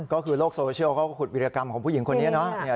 ก็คือโลกโซเชียลเขาก็ขุดวิรากรรมของผู้หญิงคนนี้เนาะ